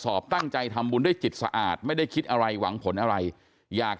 ตั้งใจทำบุญด้วยจิตสะอาดไม่ได้คิดอะไรหวังผลอะไรอยาก